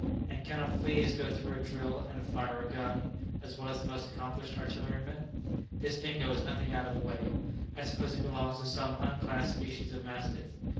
And cannot fleas go through a drill and fire a gun as well as the most accomplished artilleryman? This Dingo is nothing out of the way. I suppose he belongs to some unclassed species of mastiff.